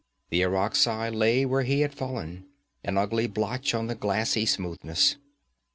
The Irakzai lay where he had fallen, an ugly blotch on the glassy smoothness.